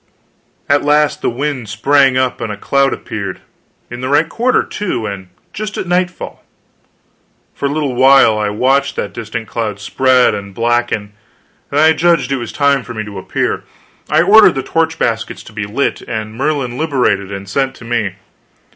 At last the wind sprang up and a cloud appeared in the right quarter, too, and just at nightfall. For a little while I watched that distant cloud spread and blacken, then I judged it was time for me to appear. I ordered the torch baskets to be lit, and Merlin liberated and sent to me.